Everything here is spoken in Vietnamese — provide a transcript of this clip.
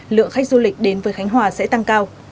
lượng khách du lịch đến với khánh hòa sẽ tăng cao